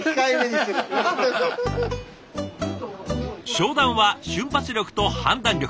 商談は瞬発力と判断力。